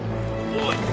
おい！